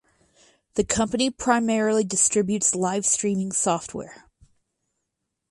The company primarily distributes livestreaming software.